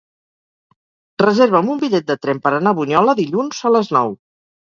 Reserva'm un bitllet de tren per anar a Bunyola dilluns a les nou.